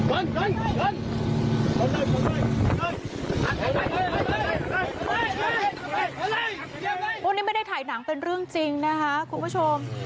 วันนี้ไม่ได้ถ่ายหนังเป็นเรื่องจริงนะคะคุณผู้ชม